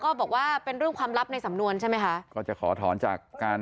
ก็บอกว่าเป็นเรื่องความลับในสำนวนใช่ไหมคะก็จะขอถอนจากการ